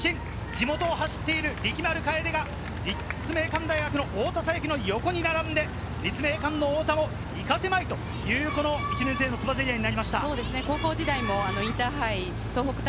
地元を走っている力丸楓が立命館大学の太田咲雪の横に並んで、立命館の太田を行かせないという、１年生のつばぜり合いになりました。